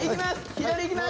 左いきます。